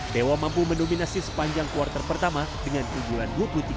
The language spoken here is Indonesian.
dewa mampu mendominasi sepanjang quarter pertama dengan kejualan dua puluh tiga sebelas